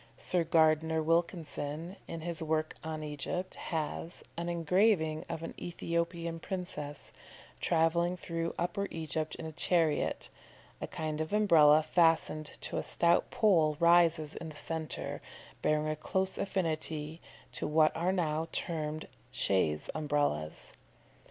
Sir Gardner Wilkinson, in his work on Egypt, has, an engraving of an Ethiopian princess travelling through Upper Egypt in a chariot; a kind of Umbrella fastened to a stout pole rises in the centre, bearing a close affinity to what are now termed chaise Umbrellas.